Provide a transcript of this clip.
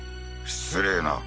失礼な！